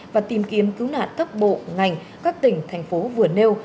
và tìm kiếm cứu nạn các bộ ngành các tỉnh thành phố vừa nêu